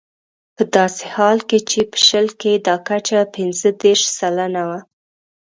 په داسې حال کې چې په شل کې دا کچه پنځه دېرش سلنه وه.